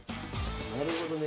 なるほどね。